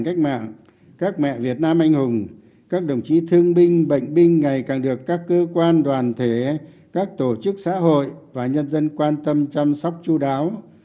các mẹ việt nam anh hùng các đồng chí thương binh bệnh binh ngày càng được các cơ quan đoàn thể các tổ chức xã hội và nhân dân quan tâm chăm sóc chú đáo